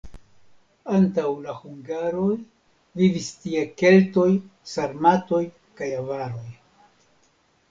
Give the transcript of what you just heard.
Antaŭ la hungaroj vivis tie keltoj, sarmatoj kaj avaroj.